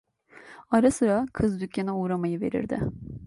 Ara sıra kız dükkana uğramayıverirdi.